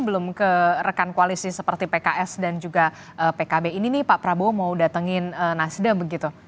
belum ke rekan koalisi seperti pks dan juga pkb ini nih pak prabowo mau datangin nasdem begitu